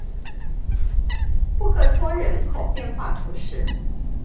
布克托人口变化图示